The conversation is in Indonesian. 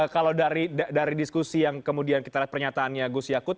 kalau dari diskusi yang kemudian kita lihat pernyataannya gus yakut